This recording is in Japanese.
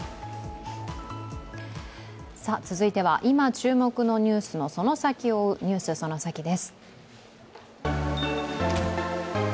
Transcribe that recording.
続いては今注目のニュースのその先を追う「ＮＥＷＳそのサキ！」です。